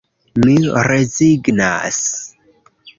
Mi rezignas.